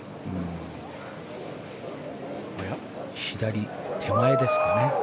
左手前ですかね。